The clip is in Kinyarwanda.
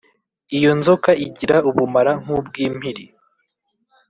Iyo inzoka igira ubumara nk’ubw’impiri